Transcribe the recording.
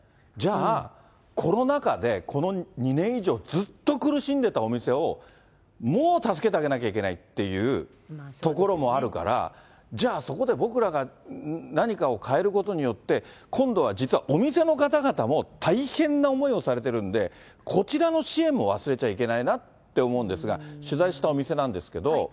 じゃあ、コロナ禍でこの２年以上、ずっと苦しんでたお店を、もう助けてあげなきゃいけないっていうところもあるから、じゃあそこで僕らが何かを変えることによって、今度は実は、お店の方々も大変な思いをされてるんで、こちらの支援も忘れちゃいけないなって思うんですが、取材したお店なんですけども。